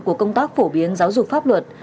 của công tác phổ biến giáo dục pháp luật